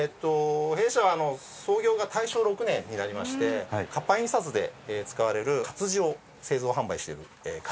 弊社は創業が大正６年になりまして活版印刷で使われる活字を製造販売している会社になります。